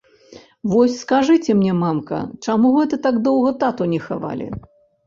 Вось скажыце мне, мамка, чаму гэта так доўга тату не хавалі?